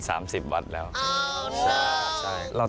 อ๋อไปครับมา